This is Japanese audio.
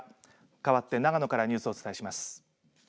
かわって長野からニュースをお伝えします。